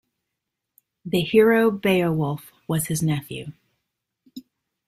The hero Beowulf was his nephew.